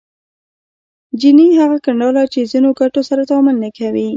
جیني هغه کړنلاره چې ځینو ګټو سره تعامل نه کوي